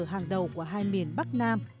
hàng đầu của hai miền bắc nam